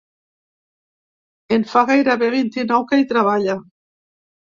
En fa gairebé vint-i-nou que hi treballa.